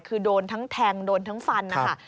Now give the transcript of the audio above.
คือโดนทั้งแทงโดนทั้งฟันนะคะ